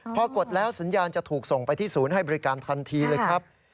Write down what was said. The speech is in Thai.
พอกดแล้วสัญญาณจะถูกส่งไปที่ศูนย์ให้บริการทันทีเลยครับ